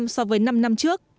tám so với năm năm trước